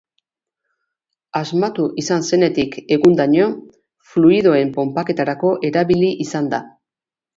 Asmatu izan zenetik egundaino, fluidoen ponpaketarako erabili izan da.